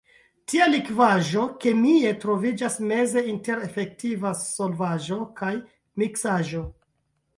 Tia likvaĵo kemie troviĝas meze inter efektiva solvaĵo kaj miksaĵo.